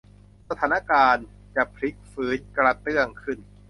สถานการณ์จะพลิกฟื้นกระเตื้องขึ้น